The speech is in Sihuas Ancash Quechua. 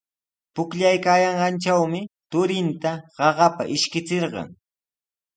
Pukllaykaayanqantrawmi turinta qaqapa ishkichirqan.